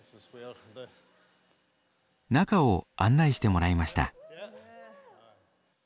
中を案内してもらいました。